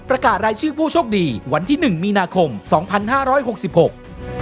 ประกาศรายชื่อผู้โชคดีวันที่หนึ่งมีนาคมสองพันห้าร้อยหกสิบหก